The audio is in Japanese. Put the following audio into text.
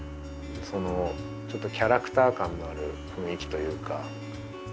ちょっとキャラクター感のある雰囲気というか。